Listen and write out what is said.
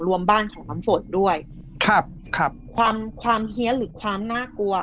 รวมบ้านของน้ำฝนด้วยความเฮียหรือความน่ากลัว